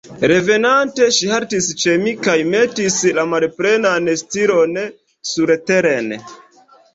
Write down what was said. Revenante, ŝi haltis ĉe mi kaj metis la malplenan sitelon surteren.